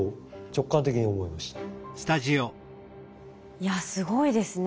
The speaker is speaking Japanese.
いやすごいですね。